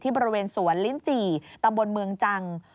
บริเวณสวนลิ้นจี่ตำบลเมืองจัง